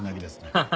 ハハハハ。